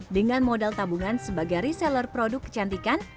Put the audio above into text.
dengan modal tabungan sebagai reseller produk kecantikan